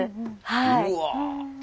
うわ。